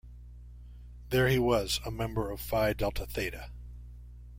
There he was a member of Phi Delta Theta.